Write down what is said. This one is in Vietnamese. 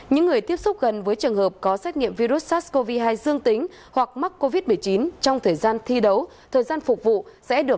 những người tiếp xúc gần với trường hợp có xét nghiệm virus sars cov hai dương tính hoặc mắc covid một mươi chín trong thời gian thi đấu thời gian phục vụ sẽ được lấy mẫu sử dụng